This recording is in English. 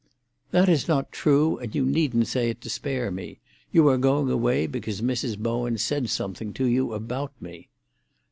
"That is not true, and you needn't say it to spare me. You are going away because Mrs. Bowen said something to you about me."